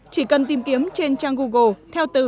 chỉ cần tìm kiếm trên trang google